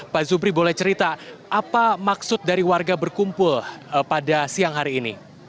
pak zubri boleh cerita apa maksud dari warga berkumpul pada siang hari ini